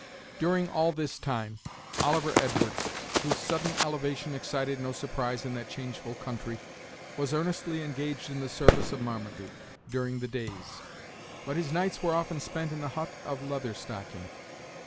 During all this time, Oliver Edwards, whose sudden elevation excited no surprise in that changeful country, was earnestly engaged in the service of Marmaduke, during the days; but his nights were often spent in the hut of Leather Stocking.